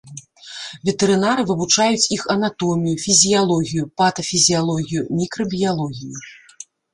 Ветэрынары вывучаюць іх анатомію, фізіялогію, патафізіялогію, мікрабіялогію.